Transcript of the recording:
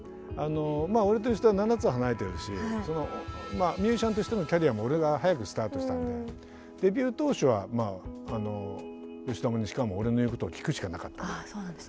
まあ俺と吉田は７つ離れてるしミュージシャンとしてのキャリアも俺が早くスタートしたのでデビュー当初は吉田も西川も俺の言うことを聞くしかなかったんで。